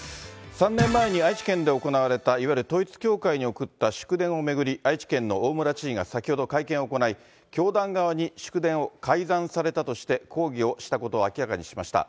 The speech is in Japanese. ３年前に愛知県で行われた、いわゆる統一教会に送った祝電を巡り、愛知県の大村知事が先ほど会見を行い、教団側に祝電を改ざんされたとして、抗議をしたことを明らかにしました。